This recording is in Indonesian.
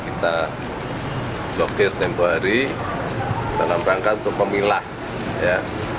kita blokir tempoh hari dalam rangka untuk pemilah